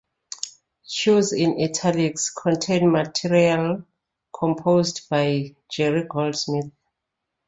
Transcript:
Cues in italics contain material composed by Jerry Goldsmith.